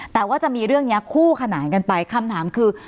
แต่ว่าจะมีเรื่องนี้คู่ขนานกันไปคำถามคือ